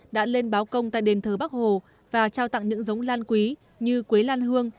đã lên báo công tại đền thờ bắc hồ và trao tặng những giống lan quý như quế lan hương